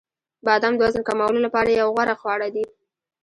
• بادام د وزن کمولو لپاره یو غوره خواړه دي.